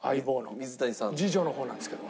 次女の方なんですけど。